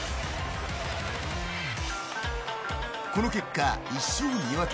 この結果、１勝２分け。